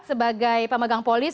sebagai pemegang polis